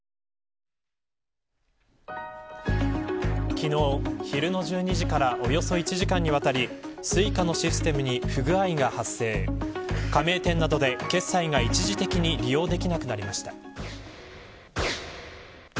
昨日、昼の１２時からおよそ１時間にわたりＳｕｉｃａのシステムに不具合が発生加盟店などで決済が一時的に利用できなくなりました。